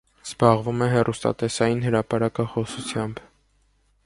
Զբաղվում է հեռուստատեսային հրապարակախոսությամբ։